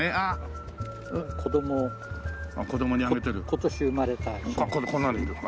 今年生まれた。